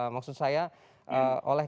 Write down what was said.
maksud saya oleh